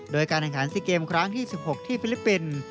โดยการแข่งขัน๔เกมครั้งที่๑๖ที่ฟิลิปปินส์